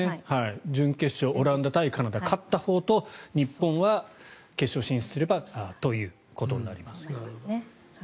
準決勝、オランダ対カナダ勝ったほうと日本は決勝進出すればということになります。